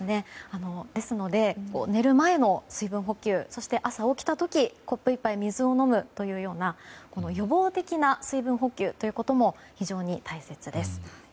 ですので寝る前の水分補給そして朝起きた時コップ１杯水を飲むような予防的な水分補給も非常に大切です。